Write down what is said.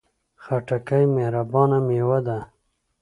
خټکی مهربانه میوه ده.